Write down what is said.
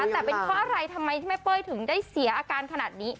แต่เป็นเพราะอะไรทำไมแม่เป้ยถึงได้เสียอาการขนาดนี้